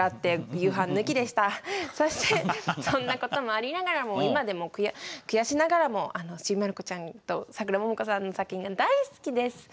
そしてそんな事もありながらも今でも悔しながらも「ちびまる子ちゃん」とさくらももこさんの作品が大好きです。